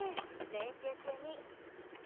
練習中に。